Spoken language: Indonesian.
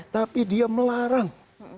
tapi dia melarang